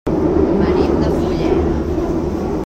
Venim de Fulleda.